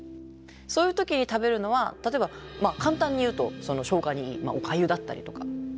そういう時に食べるのは例えば簡単に言うと消化にいいおかゆだったりとか。